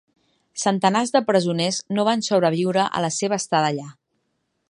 Centenars de presoners no van sobreviure a la seva estada allà.